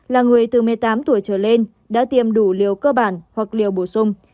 là người từ một mươi tám tuổi trở lên đã tiêm đủ liều cơ bản hoặc liều bổ sung